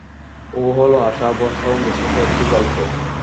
ও হলো আশা, ভরসা এবং বিশ্বাসের একটা গল্প।